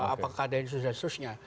apakah ada instansusnya